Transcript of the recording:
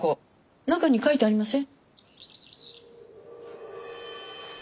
中に書いてありません？